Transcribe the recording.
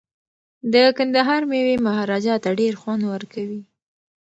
د کندهار میوې مهاراجا ته ډیر خوند ورکوي.